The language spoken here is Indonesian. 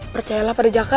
percayalah pada jaka